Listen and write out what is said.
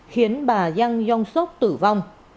khiến bà yang yong sok tử vong